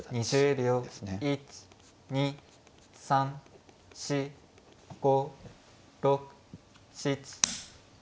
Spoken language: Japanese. １２３４５６７８。